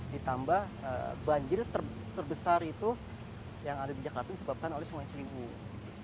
ditambah banjir terbesar itu yang ada di jakarta disebabkan oleh sungai ciliwung